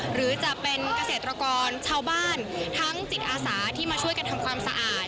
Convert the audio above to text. หรือจะเป็นเกษตรกรชาวบ้านทั้งจิตอาสาที่มาช่วยกันทำความสะอาด